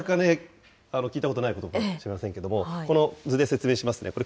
なかなかね、聞いたことないことばかもしれませんけれども、この図で説明しますね。